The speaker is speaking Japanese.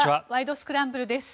スクランブル」です。